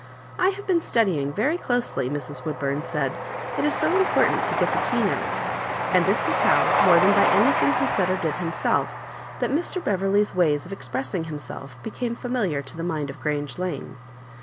" I have been studying very closely," Mrs. Woodbum said; "it is so important to gel the key note;" and this was how, more than by anything he said or did himself, that Mr. Be verley's ways of expressing himself became fa miliar to the mind of Grange Lane.